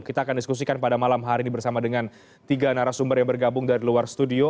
kita akan diskusikan pada malam hari ini bersama dengan tiga narasumber yang bergabung dari luar studio